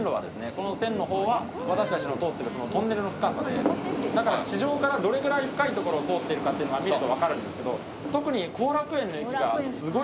この線の方は私たちの通ってるトンネルの深さでだから地上からどれぐらい深い所を通ってるかっていうのが見ると分かるんですけど特に。